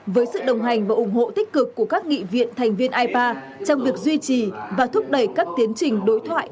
với sự đồng hành và ủng hộ tích cực của các nghị viện thành viên ipa trong việc duy trì và thúc đẩy các tiến trình đối thoại